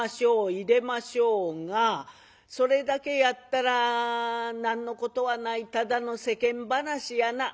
入れましょうがそれだけやったら何のことはないただの世間話やな」。